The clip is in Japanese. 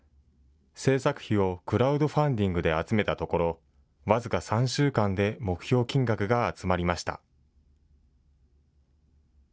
製作費をクラウドファンディングで集めたところ、僅か３週間で目標金額が集まりました。